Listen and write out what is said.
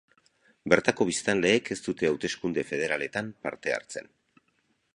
Bertako biztanleek ez dute hauteskunde federaletan parte hartzen.